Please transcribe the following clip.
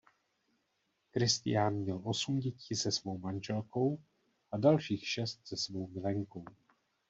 Kristián měl osm dětí se svou manželkou a dalších šest se svou milenkou.